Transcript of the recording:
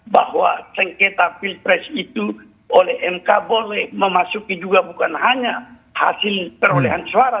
bahwa sengketa pilpres itu oleh mk boleh memasuki juga bukan hanya hasil perolehan suara